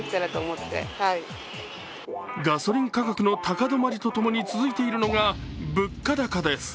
ガソリン価格の高止まりとともに続いているのが物価高です。